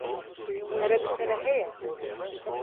Pere bi te re heye?